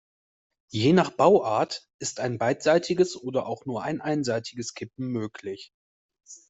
Je nach Bauart ist ein beidseitiges oder auch nur ein einseitiges Kippen möglich.